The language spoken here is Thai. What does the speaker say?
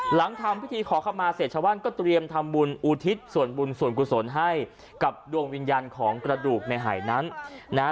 หลังทำพิธีขอเข้ามาเสร็จชาวบ้านก็เตรียมทำบุญอุทิศส่วนบุญส่วนกุศลให้กับดวงวิญญาณของกระดูกในหายนั้นนะฮะ